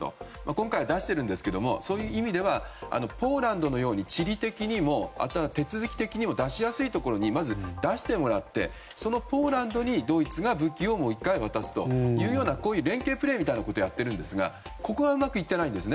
今回は出していますがそういう意味ではポーランドのように地理的にも手続き的にも出しやすいところにまず出してもらってポーランドにドイツが武器をもう１回渡すという連係プレーみたいなことをやってるんですがここがうまくいってないんです。